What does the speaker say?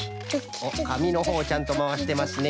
おっかみのほうをちゃんとまわしてますね。